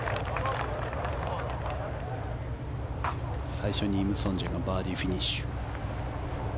最初にイム・ソンジェがバーディーフィニッシュ。